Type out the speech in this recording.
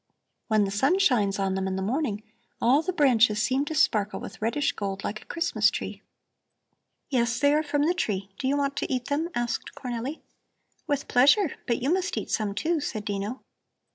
When the sun shines on them in the morning, all the branches seem to sparkle with reddish gold like a Christmas tree." "Yes, they are from the tree. Do you want to eat them?" asked Cornelli. "With pleasure. But you must eat some, too," said Dino.